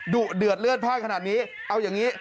ดุเดือดเลือดพลาดขนาดนี้เอาอย่างนี้